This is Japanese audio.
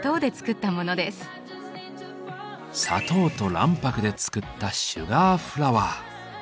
砂糖と卵白で作った「シュガーフラワー」。